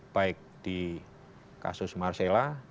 baik di kasus marcella